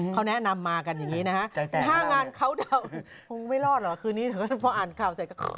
เขาแนะนำมากันอย่างนี้นะฮะ